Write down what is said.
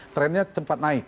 trennya cepat naik